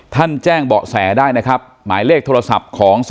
ท่านแจ้งเบาะแสได้นะครับ